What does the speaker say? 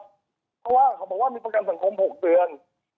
เพราะว่ามีประกันสังคม๖เดือน